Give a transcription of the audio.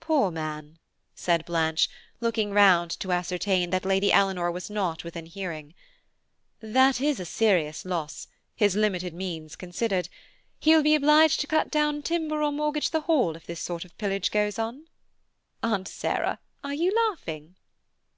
"Poor man," said Blanche, looking round to ascertain that Lady Eleanor was not within hearing; "that is a serious loss, his limited means considered; he will be obliged to cut down timber or mortgage the Hall if this sort of pillage goes on. Aunt Sarah, are you laughing?"